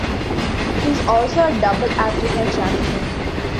He is also a double African champion.